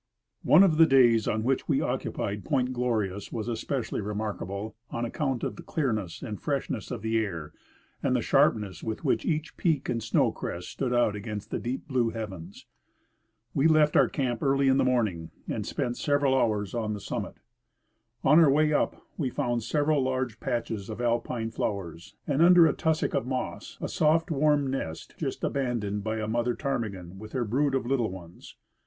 One of the days on which we occupied Point Glorious was especially remarkable on account of the clearness and freshness of the air and the sharpness with which each peak and snow crest stood out against the deep blue heavens. We left our camp early in the morning, and spent several hours on the sum mit. On our way up Ave found several large patches of Alpine flowers and, under a tussock of moss, a soft, warm nest just aban doned by a mother j^tarmigan with her .brood of little ones.